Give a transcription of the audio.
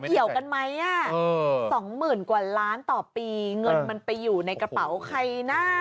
เกี่ยวกันไหมอ่ะสองหมื่นกว่าล้านต่อปีเงินมันไปอยู่ในกระเป๋าใครนะ